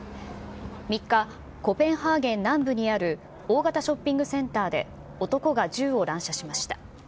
３日、コペンハーゲン南部にある大型ショッピングセンターで男が銃を乱射しました。